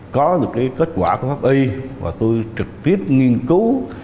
có được kết quả của pháp y và tôi trực tiếp nghiên cứu